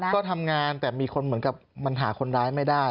ก็ทำงานแต่มีคนเหมือนกับมันหาคนร้ายไม่ได้